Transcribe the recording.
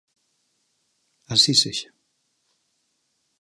Así sexa.